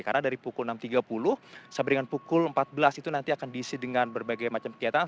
karena dari pukul enam tiga puluh sampai dengan pukul empat belas itu nanti akan diisi dengan berbagai macam kegiatan